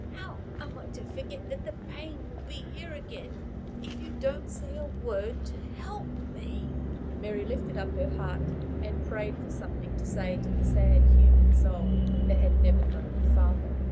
How am I to forget that the pain will be here again, if you don't say a word to help me?" Mary lifted up her heart, and prayed for something to say to the sad human soul that had never known the Father.